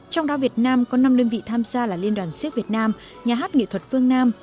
trong đó việt nam có năm đơn vị tham gia là liên đoàn siếc việt nam nhà hát nghệ thuật phương nam